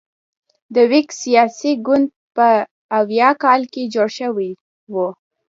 د ویګ سیاسي ګوند په اویا کال کې جوړ شوی و.